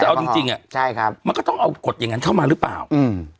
แต่เอาจริงจริงอ่ะใช่ครับมันก็ต้องเอากฎอย่างงั้นเข้ามาหรือเปล่าอืม